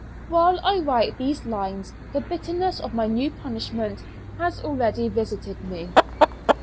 While I write these lines the bitterness of my new punishment has already visited me.